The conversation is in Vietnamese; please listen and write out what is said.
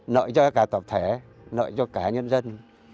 nợi cho cả tập thể nợi cho cả nhân dân